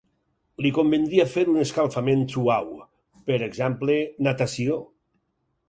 Li convindria fer un escalfament suau, per exemple natació.